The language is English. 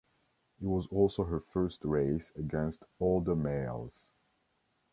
It was also her first race against older males.